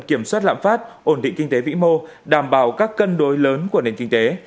kiểm soát lạm phát ổn định kinh tế vĩ mô đảm bảo các cân đối lớn của nền kinh tế